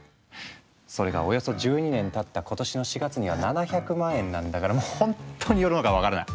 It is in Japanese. それがおよそ１２年たった今年の４月には７００万円なんだからもうほんとに世の中分からない。